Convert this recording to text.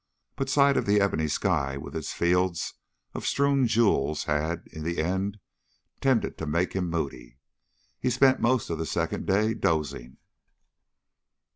But sight of the ebony sky with its fields of strewn jewels had, in the end, tended to make him moody. He spent most of the second day dozing.